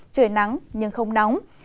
trời nắng nhưng không nóng